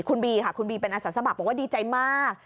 คุณบีค่ะคุณบีเป็นอาสาสมัครบอกว่าดีใจมาก